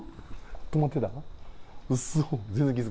止まってた？